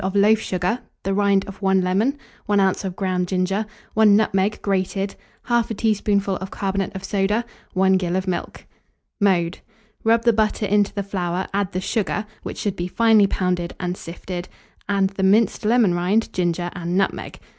of loaf sugar, the rind of 1 lemon, 1 oz. of ground ginger, 1 nutmeg grated, 1/2 teaspoonful of carbonate of soda, 1 gill of milk. Mode. Rub the butter into the flour; add the sugar, which should be finely pounded and sifted, and the minced lemon rind, ginger, and nutmeg.